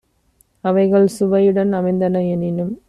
அவைகள் சுவையுடன் அமைந்தன எனினும்